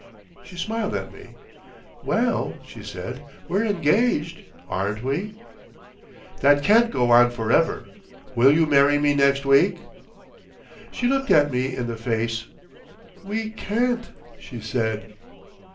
She smiled at me. "Well," she said, "we're engaged—aren't we?" "That can't go on for ever. Will you marry me next week?" She looked me in the face. "We can't," she said.